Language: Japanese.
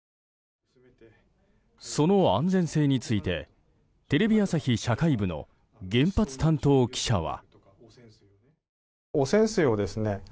その安全性についてテレビ朝日社会部の原発担当記者は。